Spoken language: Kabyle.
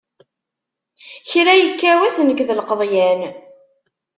Kra yekka wass nekk d lqeḍyan.